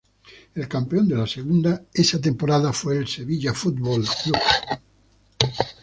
El campeón de Segunda esa temporada fue el Sevilla Fútbol Club.